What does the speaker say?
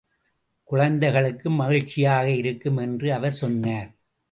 குழந்தைகளுக்கும் மகிழ்ச்சியாக இருக்கும் என்று அவர் சொன்னார்.